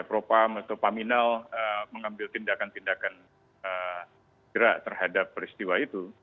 propam atau paminal mengambil tindakan tindakan gerak terhadap peristiwa itu